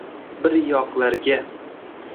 bi-i-ir yoqlarga